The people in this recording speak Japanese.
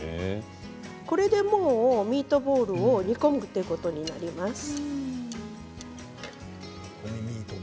これでもうミートボールを煮込むということになります。